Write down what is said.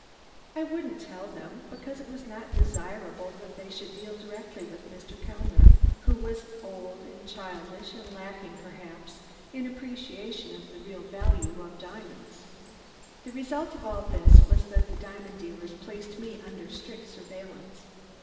I wouldn't tell them, because it was not desirable that they should deal directly with Mr. Kellner, who was old and childish, and lacking, perhaps, in appreciation of the real value of diamonds. "The result of all this was that the diamond dealers placed me under strict surveillance.